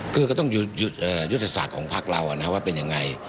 คือก็ต้องยุทธศาสตร์ของพักเราว่าเป็นยังไง